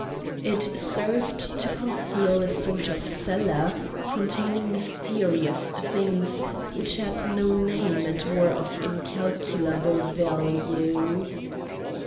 It served to conceal a sort of cellar containing mysterious things which had no name and were of incalculable value.